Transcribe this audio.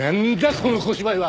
この小芝居は。